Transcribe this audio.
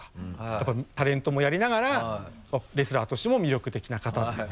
やっぱりタレントもやりながらレスラーとしても魅力的な方というか。